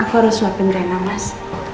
aku harus uapin drenam mas